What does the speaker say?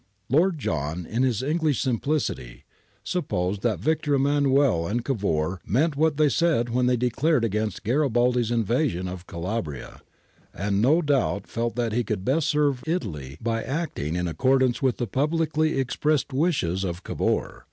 Lord John, in his English simplicity, supposed that Victor Emmanuel and Cavour meant what they said when they declared against Garibaldi's invasion of Calabria, and no doubt felt that he could best serve Italy by acting in ac cordance with the publicly expressed wishes of Cavour.'